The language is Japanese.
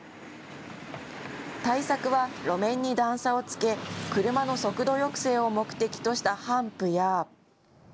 対策は路面に段差をつけ、車の速度抑制を目的としたハンプや。